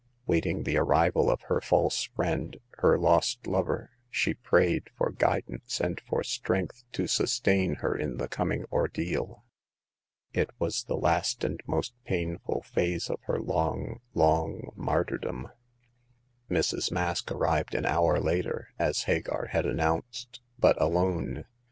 Waiting the arrival of her false friend, her lost lover, she prayed for guidance and for strength to sustain her in the coming ordeal. It was the last and most painful phase of her long, long martyrdom. Mrs. Mask arrived an hour later, as Hagar had announced, but alone.